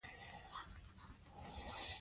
لیکوال دا جرئت لري.